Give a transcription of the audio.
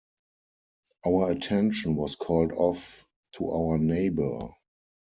Our attention was called off to our neighbour.